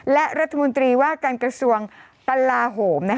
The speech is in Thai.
และรัฐมนตรีว่าการกระทรวงกลาโหม